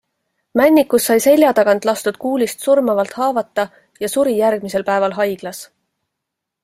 Männikus sai selja tagant lastud kuulist surmavalt haavata ja suri järgmisel päeval haiglas.